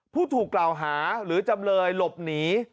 ผู้ถูกกล่าวหาหรือจำเลยหลบหนี